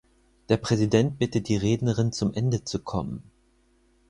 Der Präsident bittet die Rednerin zum Ende zu kommen.